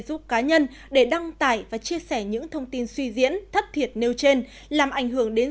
giúp cá nhân để đăng tải và chia sẻ những thông tin suy diễn thất thiệt nêu trên làm ảnh hưởng đến